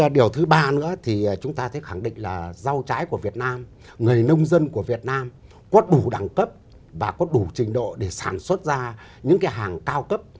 điều thứ ba nữa thì chúng ta thấy khẳng định là rau trái của việt nam người nông dân của việt nam có đủ đẳng cấp và có đủ trình độ để sản xuất ra những cái hàng cao cấp